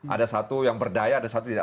ada satu yang berdaya ada satu tidak